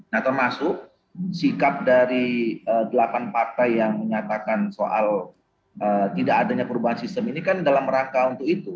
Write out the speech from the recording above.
nah termasuk sikap dari delapan partai yang menyatakan soal tidak adanya perubahan sistem ini kan dalam rangka untuk itu